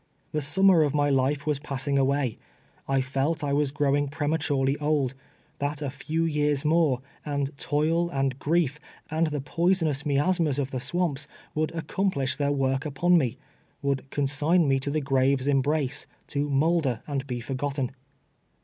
The summer of my life was passing away ; I felt I was growing prematurely old ; that a few years more, and toil, and grief, and the poisonous mi asmas of the swamps would accomplish their work upon me — would consign me to the grave's embrace, to moulder and be forgotten.